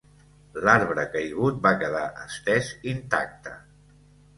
L'arbre caigut va quedar estès intacte.